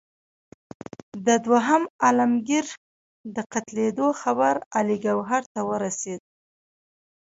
د دوهم عالمګیر د قتلېدلو خبر علي ګوهر ته ورسېد.